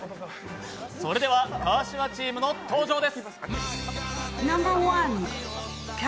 それでは川島チームの登場です。